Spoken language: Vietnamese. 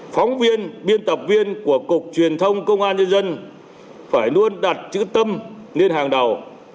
phóng viên biên tập viên của cục truyền thông công an nhân dân phải luôn đặt chữ tâm lên hàng đầu